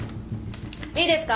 いいですか？